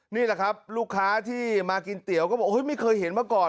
นี่แหละครับลูกค้าที่มากินเตี๋ยวก็บอกไม่เคยเห็นมาก่อน